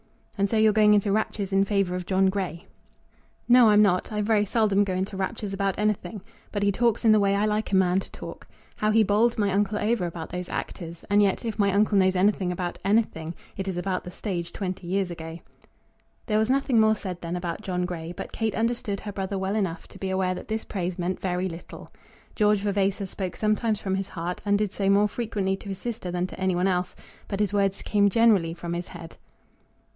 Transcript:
"And so you're going into raptures in favour of John Grey." "No, I'm not. I very seldom go into raptures about anything. But he talks in the way I like a man to talk. How he bowled my uncle over about those actors; and yet if my uncle knows anything about anything it is about the stage twenty years ago." There was nothing more said then about John Grey; but Kate understood her brother well enough to be aware that this praise meant very little. George Vavasor spoke sometimes from his heart, and did so more frequently to his sister than to any one else; but his words came generally from his head.